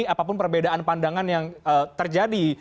apapun perbedaan pandangan yang terjadi